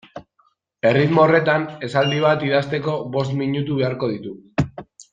Erritmo horretan esaldi bat idazteko bost minutu beharko ditu.